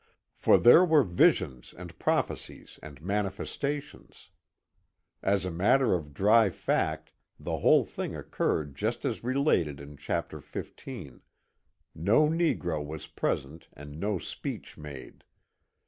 For there were visions and prophecies and manifestations. As a mat 1 A LEdTURE AT YELLOW SPRINGS 303 ter of dry fact the whole thing occurred just as related in chapter xv. No negro was present and no speech made.